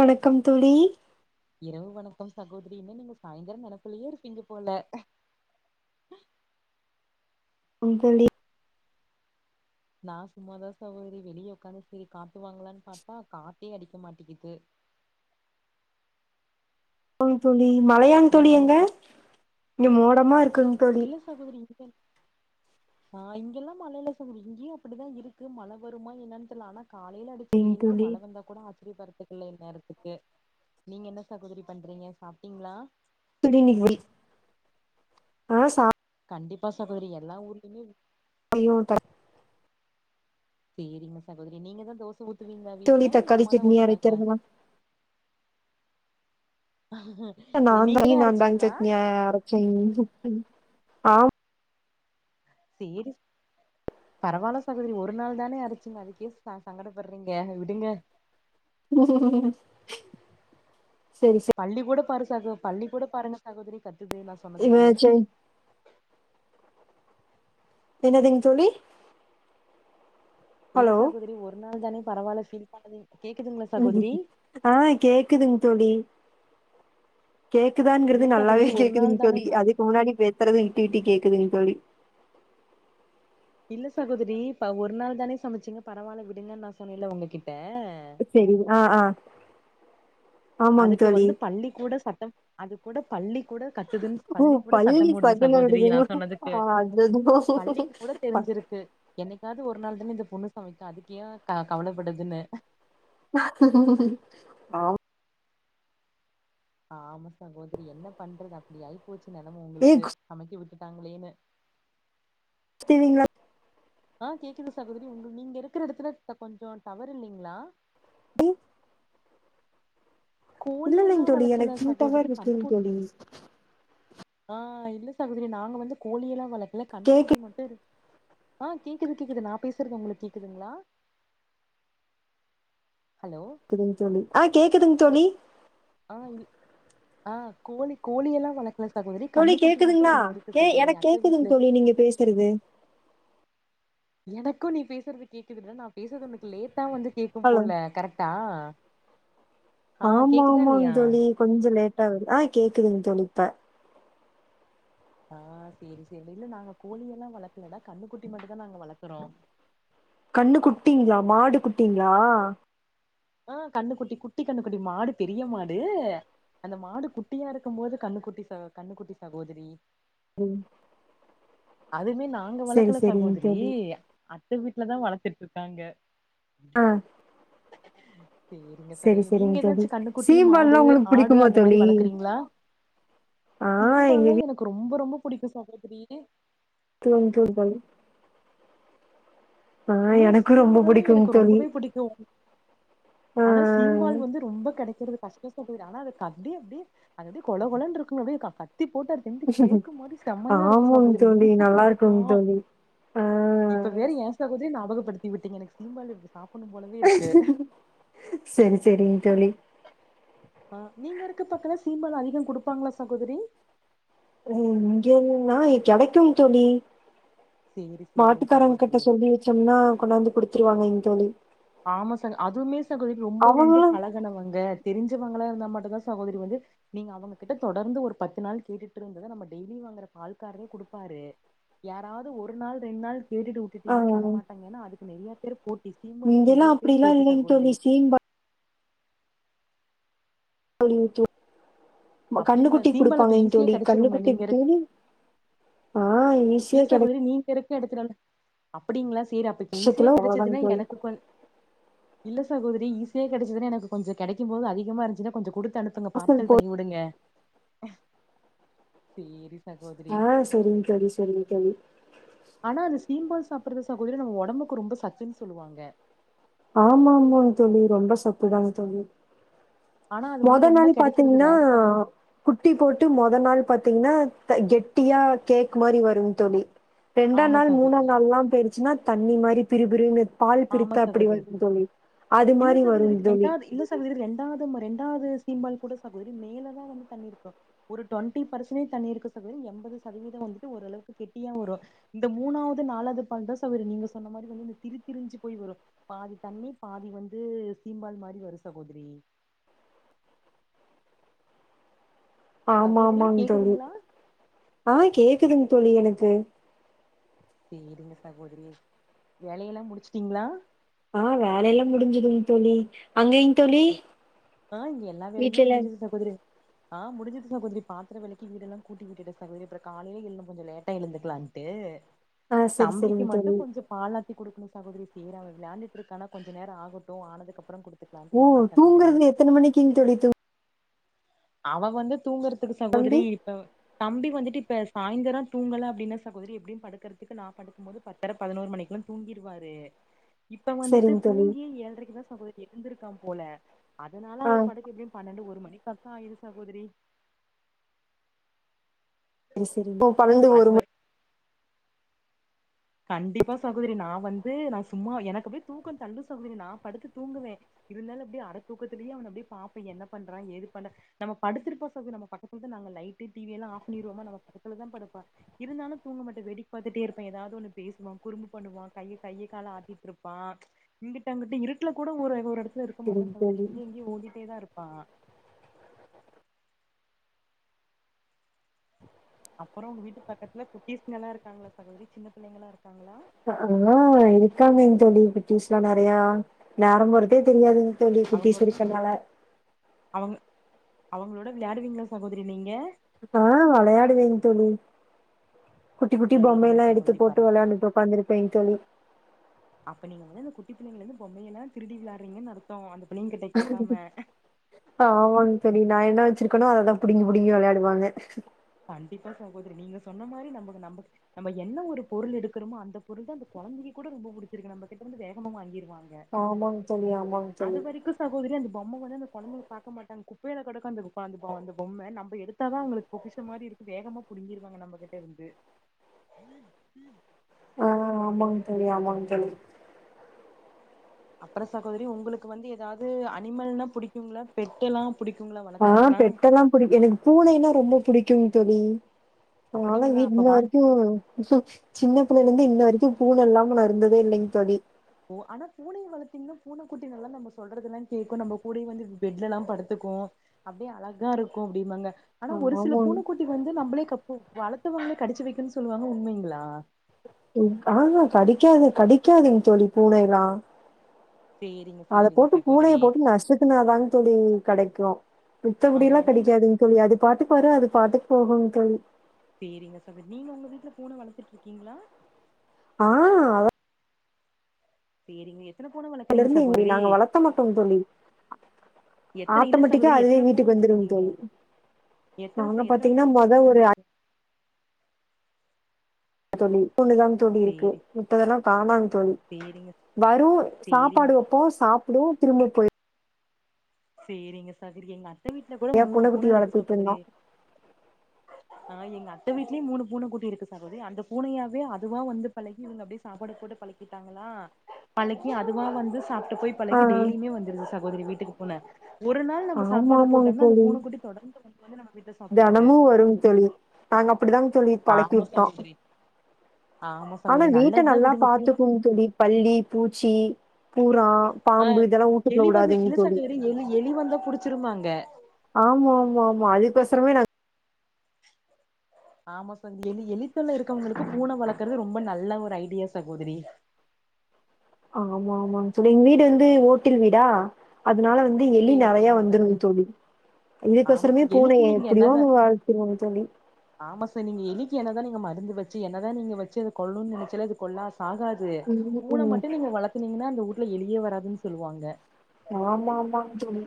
வணக்கம் தோழி இரவு வணக்கம் சகோதரி என்ன நீங்க சாயந்தர நெனப்புலயே இருப்பீங்க போல ம் தோழி நா சும்மாதா சகோதரி வெளியே உக்காந்து சரி காத்து வாங்களலான்னு பாத்தா காததே அடிக்க மாட்டிக்கிட்டு தோழி மழையான் தோழி நீங்க என்ன அங்க ச இங்க மோடமா இருக் இல்ல சகோதரி ஆ இங்கெல்லா மழையில்ல தோழி இங்கயு அப்படிதா இருக்கு மழ வருமா என்னான்னு தெரில ஆனா காலையில அடிச்ச சரிங் வெயிலக்கு தோழி மழ வந்தா கூட ஆச்சரியப்படுறக்கு ள்ள நேரத்துக்கு நீங்க என்ன சகோதரி பண்றீங்க சாப்ட்டீங்களா தடி நிகழ் ஆ சா கண்டிப்பா சகோதரி எல்லா ஊர்லிமே புளியோதர சேரிம்மா சகோதரி நீங்க தா தோச ஊத்துவீங்ளா தக்காளி வீட்ல இல்ல தக்காளி அம்மா தா சட்னி ஊத்துவாங்ளா அரைக்கிறதுலாம் நா தா நீங்கதா [inaudible] நாந்தாங் அரச்சீங்களா சட்னி அ அரச்சே [inaudible] ஆ சேரி பரவால்ல சகோதரி ஒரு நாள் தானே அரச்சீங்க அதுக்கே ச சங்கடப்பட்றீங்க விடுங்க ஹ பல்லி கூட பாரு சாகோ பல்லி கூட பாருங்க சகோதரி கத்துது நா சொன்னதுக்கு இவ- சரி. என்னதுங் தோழி இல்ல ஹலோ சகோதரி ஒரு நாள் தானே பரவால்ல ஃபீல் பண்ணாதீங் கேக்குதுங்களா சகோதரி ஆ கேக்குதுங் தோழி கேக்குதாங்கறது இல்ல நல்லாவே சகோதரி ஒரு நாள் கேக்குதுங் தானே தோழி பர அதுக்கு முன்னாடி பேசறது விட்டு விட்டு கேக்குதுங் தோழி இல்ல சகோதரி இப்ப ஒரு நாள் தானே சமச்சீங்க பரவால்ல விடுங்கன் நா சொன்னேல்ல உங்ககிட் செரி ஆ ஆ ஆமாங்க அதுக்கு தோழி வந்து பள்ளிக் கூட சட்டம் அது கூட பள்ளி கூட கத்துதுன்னு ஓ பள்ளி கூட சத்தம் பல்லி போடுது பகல் சகோதரி நா ஆடுதுங்ளா சொன்னதுக்கு ஆ அதென்னமோ சிருக்கு என்னைக்காவ்து ஒரு நாள் தான இந்த பொண்ணு சமைக்கு அதுக்கே க கவலப்படுதுன்னு ஆ ஆமா சகோதரி என்ன பண்றது அப்டி ஆய்ப்போச்சி நெலம ஏ உங்களுக்கு சமைக்க விட் டுட்டாங்களேனு ஸ்ப்லீங்ளா ஆ கேக்குது சகோதரி உங்க நீங்க இருக்கற எடத்துல த கொஞ்சோ டவரு இல்லீங்ளா ம் கோழியெல்லா இல்லலீங் தோழி வளர்த்தல எனக் ஃபுல் சகோதரி டவர்ருக்குங் கண்ணுக்குட்டி தோழி ஆ இல்ல சகோதரி நாங்க வந்து கோழியெல்லா வள இல்ல கண்ணுக்குட்டி மட்டு இருக் ஆ கேக்குது கேக்குது நா பே சறது உங்களுக் கேக்குதுங்ளா? செரிங் தோழி ஆ கேக்குதுங் தோழி ஆ இல் ஆ கோழி கோழியெல்லா வளக்கல தோழி கேக்குதுங்ளா கே எனக் அத்த கேக்குதுங் வீட்ல தோழி நீங்க பேசறது எனக்கு நீ பேசறது கேக்குதுங்க நா பேசறது உனக்கு லேட்டா வந்து கேக்கும் ஹலோ போல கரெக்ட்டா ஆமா ஆமாங் இல்லையா தோழி கொஞ்ச லேட்டா வருது ஆ கேக்குதுங் தோழி இப்ப ஆ சேரி சேரி இல்ல நாங்க கோழியெல்லா வளக்கலடா கண்ணுக்குட்டி மட்டுந்தா நாங்க வளக்குறோ கண்ணுக்குட்டிங்ளா மாடு குட்டிங்ளா ஆ கண்ணுக்குட்டி குட்டி கண்ணுக்குட்டி மாடு பெரிய மாடு அந்த மாடு குட்டியா இருக்கும்போது கண்ணுக்குட்டி சா கண்ணுக்குட்டி சகோதரி ரிங் அதுமே நாங்க வளக்கல சகோதரி தோழி அத்த வீட்ல தா வளத்துட்ருக்காங்க ஆ சேரிங்க சரி சகோதரி நீங்க சரிங்க தோழி எதாச்சு கண்ணுக்குட்டி, மாடு, சீம்பால்லாம் உங்களுக்கு ஆடு பிடிக்குமா அந்த மாரி தோழி வளக்கறீங்ளா? ஆ எங்க சீம்பால்னா எனக்கு ரொம்ப ரொம்ப புடிக்கு சகோதரி [unintelligible] பாயில் ஆ சீம்பால்னா எனக்கு ரொம்பவே பிடிக்கு ஆ ஆனா சீம்பால் வந்து ரொம்ப கெடைக்கறது கஷ் ஆமா சகோதரி ஆனா அதுக்கப்டி அப்டி அது அப்டியே கொழ கொழன்ருக்கும் அப்டியே க த்தி போட்டு அது வெந்து கேக்கு மாரி செமயா இருக்கு ஆமாங் சகோதரி தோழி இனிப்புக்கு நல்லா அதுக்கு இருக்குங் தோழி ஆ இப்ப வேற ஏ சகோதரி ஞாபகப்படுத்தி விட்டீங்க எனக்கு சீம்பாலு சேரி சேரிங் தோழி ஆ நீங்க இருக்க பக்கல சீம்பால்லா அதிகம் குடுப்பாங்களா சகோதரி இங்கேன்னா கெடைக்கும் தோழி சேரி சேரிங்க மாட்டுக்காரங்ங்கிட்ட சகோதரி சொல்லி வெச்சோம்னா கொண்டாந்து குடுத்துருவாங்கங் தோழி ஆமா சகோ அதுவுமே சகோதரி ரொம்ப வந்து அவங்களு பழகனவங்க தெரிஞ்சவங்களா இருந்தா மட்டுதா சகோதரி வந்து நீங்க அவங்ககிட்ட தொடர்ந்து ஒரு பத்து நாள் கேட்டுட்டுருந்தத நம்ம டெய்லி வாங்கற பால்காரரே குடுப்பாரு யாராவது ஒரு நாள் ரெண் நாள் கேட்டுட்டு ஆ வுட்டுட்டீங்ன்னா தர மாட்டாங்க ஏன்னா அதுக்கு நெறிய பேரு போட்டி சீம்பால்க்கு இங்கெல்லா அப்பிடில்லா இல்லேங தோழி சீம்பால் தோழி ஊத் அப்டிங்களா கன்னுக்குட்டிக் சீம்பால் அப்ப குடுப்பாங்கங் ஈஸியா தோழி கெடைச்சிருங்களா நீங்க கன்னுக்குட்டிக் இருக் தோழி ஆ இல்ல ஈஸியா கெடைக்கு சகோதரி நீங்க இருக்க எடத்துலல அப்படிங்ளா சேரி அப்பக்கு ஈஸியா வருஷத்துல அவ்ளோதாங் கெடைச்சதுன்னா தோழி எனக்கு கொ இல்ல சகோதரி ஈசியா கெடச்சதுனா எனக்கு கொஞ்சு கெடைக்கும் போது அதிகமா இருந்ச்சினா கொஞ்ச குடு த்தனுப்புங்க பார்சல் பண்ணி வுடுங்க ஆ செரிங் தோழி செரிங்க தோழி ஆனா அது சீம்பால் சாப்பிறது சகோதரி நம்ம ஒடம்புக்கு ரொம்ப சத்துன் சொல்லுவாங்க ஆமா ஆமாங்ங தோழி ரொம்ப சத்துதாங்க தோழி ஆனா அது வந்து மொதன் ரொம்ப நாள் கெடைக்கிறது பாத்தீங்ன்னா ரேர் சகோதரி குட்டி போட்டு மொத நாள் பாத்தீங்ன்னா த கெட்டியா கேக் மாரி வருங் தோழி ரெண்டா ஆமா நாள் மூணா சகோதரி நாள்ல்லா போயிடுச்சுன்னா தண்ணி மாரி பிரி பிருனு ஆமா சகோதரி அது இல்ல மாரி சகோதரி வரும் தோழி. ரெண்டாவத் இல்ல சகோதரி ரெண்டாவது ம ரெண் டாவ்து சீம்பால் கூட சகோதரி மேல தா வந்து தண்ணி இருக்கு ஒரு டொன்டி பர்சன்னே தண்ணி இருக்கு சகோதரி எம்பது சதவீதோ வந்துட்டு ஓரளவுக்கு கெட்டியா வரு இந்த மூணாவது நாலாது பால் தா சகோதரி நீங்க சொன்ன மாரி வந்து இந்த திரி திரிஞ்சு போய் வரு பாதி தண்ணி பாதி வந்து சீம்பால் மாரி வரு சகோதரி ஆமா சகோதரி ஆமாங்க தோழி கேக்குதுங்களா ஆ கேக்குதுங் தோழி எனக்கு சேரிங்க சகோதரி வேலையெல்லா முடிச்சுட்டீங்ளா ஆ வேலயெல்லா முடிஞ்சிதுங் தோழி அங்கேங் தோழி? ஆ இங்க எல்லா வேலையுமே வீட்ல எல்லா முடிஞ்சிது சகோதரி ஆ முடிஞ்சது சகோதரி பாத்திர வெலக்கி வீடெல்லா கூட்டி விட்டுட்ட சகோதரி அப்ற காலைலே இன்னும் கொஞ்ச லேட்டா எழுந்துக்லான் டு ஆ சரி தம்பிக்கு சரிங்க மட்டு தோழி. கொஞ்ச பால் ஆ த்தி குடுக்கனு சகோதரி சேர் அவ விளயாண்டுட்ருக்கான கொஞ்ச நேர ஆகட்டு ஆனதுக்கப்புறம் குடுத் ஓ தூங்கறதுக்கு எத்தன மணிக்கிங் தோழி தூ அவ வந்து தூங்கறதுக்கு தம்பி? சகோதரி இப்ப தம்பி வந்துட்டு இ இப்போ சாய்ந்தர தூங்கல அப்டின சகோரி எப்டியும் படுக்கறதுக்கு நா படுக்கும் போது பத்தர பதனௌரு மணிக்லா தூங்கிருவாரு இப்ப வந்துட்டு சரிங்க தோழி. தூங்கியே ஏழ்றைக்குதா சகோதரி எழுந்திருக்கா போல அதனால ஆ ஒரு படுக்க எப்டியு பன்னெண்டு ஒரு மணிக் காயிரு சகோதரி செரி இப்போ பனென்டு ஒரு அது கண்டிப்பா சகோதரி நா வந்து நா சும்மா எனக்கு அப்பே தூக்கோ தள்ளு சகோதரி நா படுத்து தூங்குவே இருந்தாலு அப்டே அர தூக்கத்தூலியே அவன அப்டி பாப்ப என்ன பண்றா ஏது பண்றா நம்ம படுத்திருப்போ சகோ நம்ம பக்கத்துல்தா ந ங்க லைட்டு டிவி எல்லா ஆஃப் பண்ணிருவோமானாலு பக்கத்துல தா படுப்ப இருந்தாலு தூங்க மாட்ட வேடிக் பாத்துட்டே இருப்ப எதாவ்து ஒன்னு பேசுவா குறம்பு பண்ணுவா கைய கைய கால ஆட்டிட்ருப்பா இங்கிட்டு அங்கட்டு இருட்டுல கூட ஒரு ஒரெடத் துல இருக்க மாட்டா சரிங்க சகோதரி தோழி. இங்யு இங்யு ஓடிட்டேதா இருப்பா அப்பறோ உங்க வீட்டு பக்கத்துல குட்டீஸ்ங்கல்லா இருக்காங்களா சகோதரி சின்ன பிள்ளைங்களா இருக்காங்களா ஆ இருக்காங்கங் தோழி குட்டீஸ்லா நெறைய நேரம் போறதே தெரியாதுங் தோழி குட்டிஸ் அவங்களோட இருக்கனால அவங்க அவங்களோட விளையாடுவீங்ளா சகோதரி நீங்க ஆ வளையாடுவேங் தோழி குட்டி குட்டி சேரிங்க பொம்மைையெல்லா எடுத்து சகோதரி போட்டு பரவால்ல வெளையாண்டுகிட்டு உக்காந்துருப்பேங் தோழி ட்டி பிள்ளைங்கலந்து பொம்யெல்லா திருடி விளாட்றீங்கன் அர்த்தோ அந்த பிள்ளைங்க கிட்ட கேக்காம ஆமாங் தோழி நா என்னா வ ச்ருக்கணோ அத தா புடுங்கி புடுங்கி வெளயாடுவாங்க கண்டிப்பா சகோதிரி நீங்க சொன்ன மாரி நம்பக்கு நம்பக் நம்ப என்ன ஒரு பொருள் எடுக்குறோமோ அந்த பொருள் தா அந்த கொழந்தைக்கி கூட ரொம்ப புடிச்சுருக்கு நம்ப கிட்டருந்து வேகமா வாங்கிருவா ங்க ஆமாங்க தோழி ஆமாங்க அது தோழி வரைக்கு சகோதிரி அந்த பொம்ம வந்து அந்த கொழந்தைங்க பாக்க மாட்டாங்க குப்பைல கடக்கு அந்த கா அந்த பா அந்த பொம்ம நம்ப எடுத்தா தா அவுங்களுக்கு பொக்கிஷ் ஷம் மாரிருக்கு வேகமா புடுங்கிருவாங்க நம்ப கிட்டருந்து ஆ ஆமாங் தோழி ஆமாங் தோழி அப்றோ சகோதிரி உங்களுக்கு வந்து எதாது அனிமல் னா புடிக்குங்ளா பெட்டெல்லா ஆ பெட்டெல்லா புடி எனக்கு பூனைன்னா ரொம்ப புடிக்குங் தோழி அதனால வி அப்டிங்களா அப்ப இன்ன வாங்க வரைக்கு சின்ன பிள்ளைலந்து இன்ன வரைக்கு பூன இல்லாம நா இருந்ததே இல்லைங் தோழி ஓ ஆனா பூனைய வளத்தீங்னா பூனை குட்டிங்கள்லா நம்ம சொல்றதெல்லா கேக்கு நம்ப கூடயே வந்து பெட்லலா படுத்து கு அப்டியே அழகாருக்கு அப்டிம்பாங்க ஆனா ஒரு சில ஆமாங்க பூன குட்டி வந்து நம்பளே கப்பு வளத்தவங்ளே கடிச்சு வெக்குன் சொல்லுவாங்க உண்மைங்ளா ம் கா ஆ கடிக்காது கடிக்காதுங் தோழி பூனயெல்லா சேரிங்க அத சேரிங்க போட்டு பூனைய சகோதரி போட்டு நசுக்குனாதாங் தோழி கடைக்கு ஆ மித்தபடில்லா நீ கடிக்காதுங் தோழி அது பாட்டுக்கு வரு அது பாட்டுக்கு போகுங் தோழி சேரிங்க சகோ நீங்க உங்க வீட்ல பூன வளத்துட்ருக்கீங்ளா ஆ அத சேரிங்க எத்தன பூன வளக்குறீங்க அல்லருந்து சகோதரி நாங்க வளத்த மாட்டோ தோழி எத்தன இல்ல ஆட்டோமெட்டிக்கா அதுவே வீட்டுக்கு வந்துருங் தோழி எத்தண நாங்க ச எத்தண பாத்தீங்கன்னா பூன மொத செவக்க ஒரு வச்சிருக்கு தோழி ஒண்ணுதாங் தோழி இருக்கு சேரி மித்ததெல்லா காணாங் தோழி சேரிங்க வரு சேரிங்க சாப்பாடு வப்போ சாப்டு திரும்ப போய் சேரிங்க சதிரி எங்க அத்த வீட்ல கூட ஏன் மூணு பூனைக்குட்டி பூனருக்கு வளர்த்துட்டு சகோதிரி இருந்தோம். ஆ எங்க அத்த வீட்லி மூணு பூன குட்டி இருக்கு சகோதரிஅந்த பூனயாவே அதுவா வந்து பழகி இவுங்க அப்டியே சாப்பாடு போட்டு பழக்கிட்டாங்களா பழக்கி அதுவா வந்து சாப் ட்டு போய் ஆ பழகி டெய்லிமே வந்துருது சகோதிரி வீட்டுக்கு பூன ஒரு நாள் நம்ம சாப்பாடு ஆமாமாங்க போட்டோம்னா அந்த தோழி. பூன குட்டி தொடர்ந்து வந்து வந்து நம்ம வீட்ல சாப்ட்டுக்குது தெனமும் வருங்க தோழி. நாங்க அப்டிதாங் தோழி பழக்கி ஆமா வுட்டோ சகோதரி ஆமா ஆனா சகோதரி வீட்ட நல்லதுதா நல்லா விடுங்க பூன பாத்துக்குங் தோழி பல்லி பூச்சி பூரா ஆ பாம்பு இதெல்லா வூட்டுக்குள்ள எலி வந்து வுடாதுங் இல்ல தோழி சகோதரி எலி எலி வந்தா புடிச்சிருமாங்க ஆமாமாமா அதுக்கொசரமே நா ஆமா சந் எலி எலித்தொல்ல இருக்கோங்களுக்கு பூன வளக்குறது ரொம்ப நல்ல ஒரு ஐடியா சகோதிரி [inaudible] ஆமாமாங் தோழி எங் வீடு வந்து ஓட்டில் வீடா அதனால வந்து எலி சேரி நெறயா சேரிங்க வந்துருது சகோதரி தோழி ஆமா இதுக்கொசரமே எலிக்கு பூனய நீங்க என்னது எப்டியாவது வள்த்துருவேங் தோழி ஆமா ச நீங்க எலிக்கு என்னதா நீங்க மருந்து வச்சு என்னதா நீங்க வச்சு அத கொள்னுன் நெனச்சாலு அது கொல்லாஸ் சாகாது ம், பூன ம். மட்டு நீங்க வளத்துனீங்கனா அந்த வூட்ல எலியே வராதுன் சொல்வாங்க ஆமாமாங் தோழி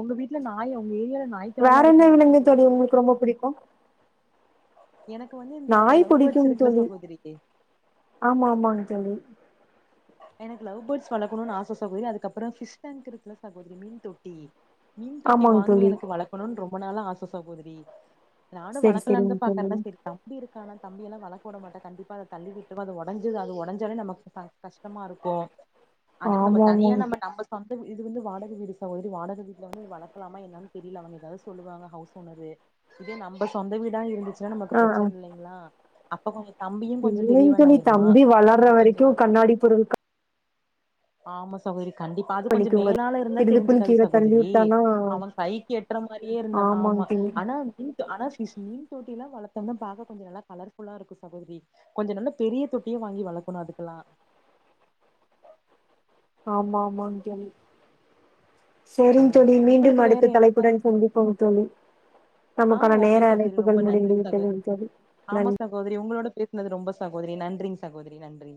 ஒங்க வீட்ல நாய் ஒங்க ஏரியால நாய் தொல்லலா வேறெந்த இருக்குங்களா விலங்கு தோழி சகோதரி ஒங்ளுக்கு ரொம்ப புடிக்கு எனக்கு வந்து இந்த நாய் லவ் பேர்ட்ஸ் புடிக்குங் இருக்குல தோழி சகோதரி ஆமாமாங் தோழி எனக்கு லவ் பேர்ட்ஸ் வளர்க்கணுனு ஆச சகோதரி அதுக்கப்றோ ஃபிஷ் டாங்க் இருக்குல சகோதரி மீன் தொட்டி மீன் தொட்டி ஆமாங்க வாங்கி தோழி. எனக்கு வளக்கணுன் ரொம்ப நாளா ஆச சகோதிரி நானு சரி, வளக்கலான்ந்தா சரிங்க பாக்றேனா தோழி. சேரி தம்பிரு இருக்கானா ஆனா தம்பியெலா வளக்க விடமாட்டா கண்டிப்பா அத தள்ளி விட்டுட்றுவா அது ஒடஞ்சுரு அது ஒடஞ்சாலே நமக்கு க கஷ் டமா இருக்கு அதுக்கு நம்ம ஆமா, தனியா ஆமாங்க. நம்ம நம்ம சொந் அது இது வந்து வாடக வீடு சகோதரி இது வாடக வீட்ல வந்து வளர்க்கலாம என்னன்னு தெரியல அவங்களுக்கு ஏதாவது சொல்லுவாங்க ஹவுஸ் ஓனர்ரு இதே நம்ப சொந்த வீடா இருந்துச்சு னா நமக்கு ஆ, ஆ. பிரச்சனை இல்லைங்களா அப்ப கொஞ்சோ தம்பியு கொஞ்சோ இல்லைங் பெரியவன் ஆயிருவா செரி கொஞ்ச நாள் அடிபடுறதுக்கு ஆமா சகோதரி கண்டிப்பா அது கொஞ்சோ வலிக்குங்க மேலால இருந்தா திடுதிப்புன்னு தெரிஞ்சுக்காது கீழ தள்ளி சகோதரி விட்டானா அவே கைக்கு எட்டுற மாரியே இருந்தாம் ஆமா ஆமாங் மா தோழி அன மின்ட் அனாசிஸ்ஸி தொட்டியெல்லா வளத்தோம்னா பாக்க கொஞ்சோ நல்லா கலர்ஃபுல்லா இருக்கு சகோதரி கொஞ்ச நல்லா பெரிய தொட்டியே வாங்கி வளர்கணு அதுக்கெல்லா அ ஆமாமா அஞ்சலி ஆ செரிங்க தோழி மீண்டும் உங்களுக்கு வேற அடுத்த தலைப்புடன் சந்திப்போம் தோழி ஆஹ் நமக்கான நேர ஓகே சகோதரி அழைப்புகள் ரொம்ப நன்றி முடிந்து விட்டது சகோதரி தோழி நன்றி ஆமா சகோதரி உங்களோட பேசுனது ரொம்ப சகோதரி நன்றிங்க சகோதரி நன்றி